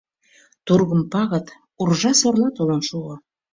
Тургым пагыт уржа-сорла толын шуо...